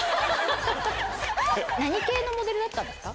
何系のモデルだったんですか？